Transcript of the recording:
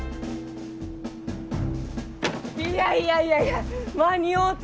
いやいやいやいや間に合うた！